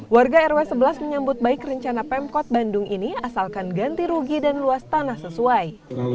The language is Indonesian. warga rw sebelas menyambut baik rencana pemkot bandung ini asalkan ganti rugi dan luas tanah sesuai